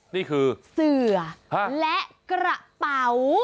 นี่คือเสือและกระเป๋า